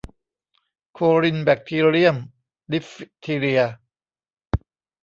โครินแบคทีเรียมดิฟทีเรีย